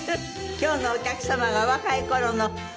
今日のお客様がお若い頃のお写真。